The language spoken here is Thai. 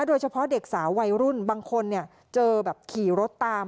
โดยเฉพาะเด็กสาววัยรุ่นบางคนเจอแบบขี่รถตาม